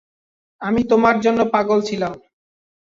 আমি তোমার জন্য পাগল ছিলাম।